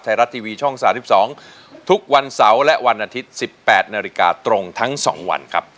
ไทยรัฐทีวีช่อง๓๒ทุกวันเสาร์และวันอาทิตย์๑๘นาฬิกาตรงทั้ง๒วันครับ